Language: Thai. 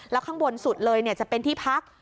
แล้วข้างบนสุดเลยจะเป็นที่พัก